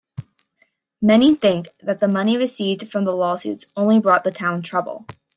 Many think that the money received from the lawsuits only brought the town trouble.